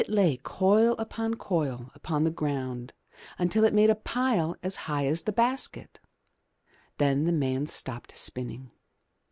It lay coil upon coil upon the ground until it made a pile as high as the basket. Then the man stopped spinning.